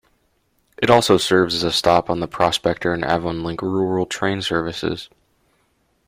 It also serves as a stop on the Prospector and Avonlink rural train services.